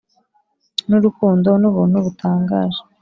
N'urukundo n'ubuntu butangaje,